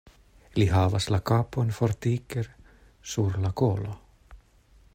Li havas la kapon fortike sur la kolo.